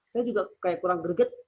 saya juga kayak kurang greget